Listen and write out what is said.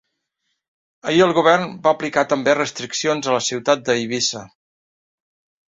Ahir el govern va aplicar també restriccions a la ciutat d’Eivissa.